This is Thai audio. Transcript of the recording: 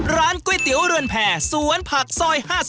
ร้านก๋วยเตี๋ยวเรือนแผ่สวนผักซอย๕๐